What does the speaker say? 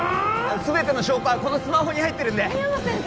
全ての証拠はスマホに入ってるんで深山先生？